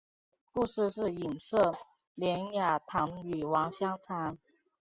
故事是隐射连雅堂与王香禅。